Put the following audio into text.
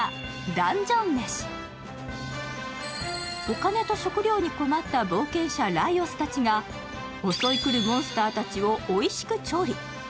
お金と食料に困った冒険者ライオスたちが襲い来るモンスターたちをおいしく調理。